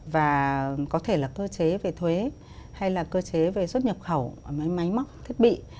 và có thể là cơ chế về thuế hay là cơ chế về xuất nhập khẩu máy móc thiết bị